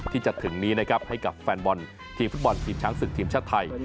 ที่จะถึงนี้นะครับให้กับแฟนบอลทีมชาติไทย